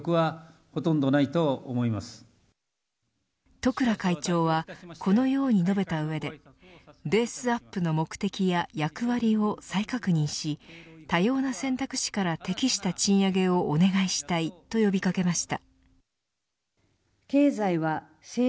十倉会長はこのように述べた上でベースアップの目的や役割を再確認し多様な選択肢から適した賃上げをお願いしたいと呼び掛けました。